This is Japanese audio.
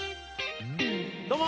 どうも！